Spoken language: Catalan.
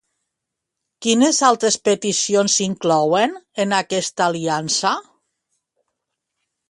Quines altres peticions s'inclouen en aquesta aliança?